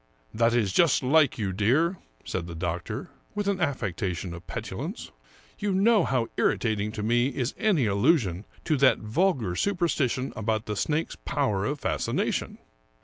" That is just like you, dear," said the doctor, with an affectation of petulance. " You know how irritating to me is any allusion to that vulgar superstition about the snake's power of fascination."